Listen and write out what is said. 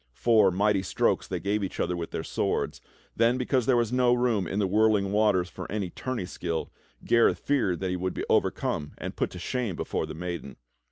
Four mighty strokes they gave each other with their swords, then because there was no room in the whirling waters for any tourney skill, Gareth feared that he would be overcome and put to shame before the maiden.